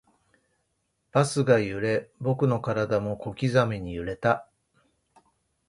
バスが揺れ、僕の体も小刻みに揺れた